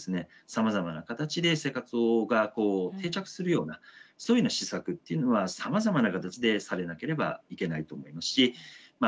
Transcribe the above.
さまざまな形で生活が定着するようなそういうような施策っていうのはさまざまな形でされなければいけないと思いますしま